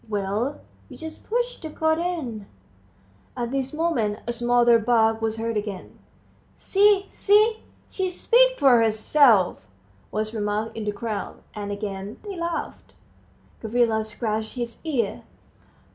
"Well, you just push the coat in." At this moment a smothered bark was heard again. "See, see she speaks for herself," was remarked in the crowd, and again they laughed. Gavrila scratched his ear.